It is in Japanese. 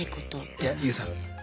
いやＹＯＵさん